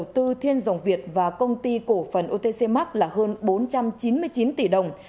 tổng số tiền nhà đầu tư thiên dòng việt và công ty cổ phần otcmark là hơn bốn trăm chín mươi chín tỷ đồng